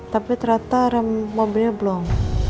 tapi ternyata rem mobilnya belum